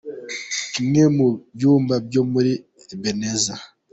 Kimwe mu byumba byo muri Ebenezer.